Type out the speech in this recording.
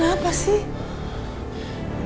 kamu kenapa sih